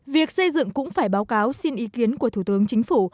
việc xây dựng cũng phải báo cáo xin ý kiến của thủ tướng chính phủ